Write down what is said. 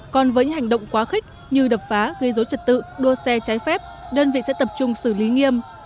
còn với những hành động quá khích như đập phá gây dối trật tự đua xe trái phép đơn vị sẽ tập trung xử lý nghiêm